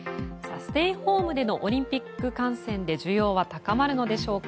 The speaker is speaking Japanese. ステイホームでのオリンピック観戦で需要は高まるのでしょうか。